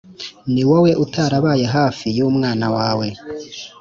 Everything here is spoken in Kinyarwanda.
Niwowe utarabaye hafi y’umwana wawe